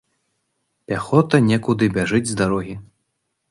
Пяхота некуды бяжыць з дарогі.